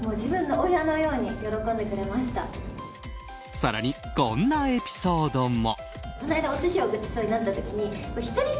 更に、こんなエピソードも。